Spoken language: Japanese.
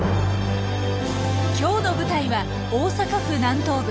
今日の舞台は大阪府南東部。